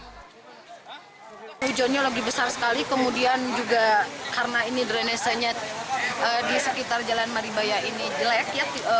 hujannya lebih besar sekali kemudian juga karena ini drenesenya di sekitar jalan maribaya ini jelek